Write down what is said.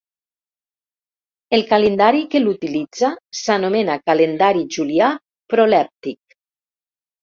El calendari que l'utilitza s'anomena calendari julià prolèptic.